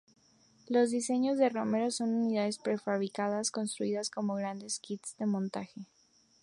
Los diseños de Romero son unidades prefabricadas construidas como grandes kits de montaje.